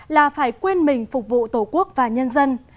là phải quên mình phục vụ tổ quốc và nhân dân